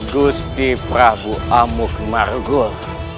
gusti prabu amuk margul